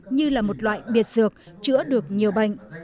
như là một loại biệt dược chữa được nhiều bệnh